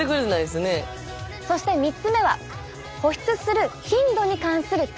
そして３つ目は保湿する頻度に関するＴ。